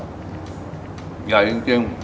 ใหญ่จริง